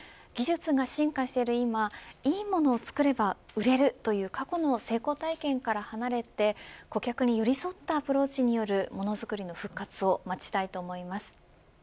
技術が進化している今いいものをつくれば売れるという過去の成功体験から離れて顧客に寄り添ったアプローチによるものづくりの復活を待ちたいと思います。